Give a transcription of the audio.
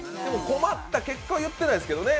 困った結果は言ってないですけどね。